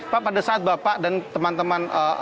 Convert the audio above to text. pak pada saat bapak dan teman teman